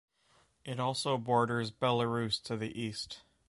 It also borders Belarus to the east.